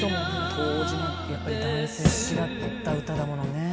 当時のやっぱり男性好きだった歌だものね。